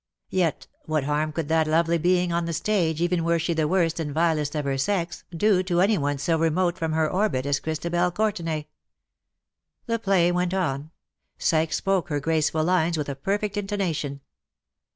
Yet what harm could that lovely being on the stage, even were she the worst and vilest of her sex, do to any one so remote from her orbit as Christabel Courtenay ? The play went on. Psyche spoke her graceful lines with a perfect intonation.